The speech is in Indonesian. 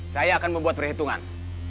saya akan membuat perhitungan